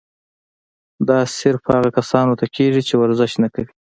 دا صرف هغه کسانو ته کيږي چې ورزش نۀ کوي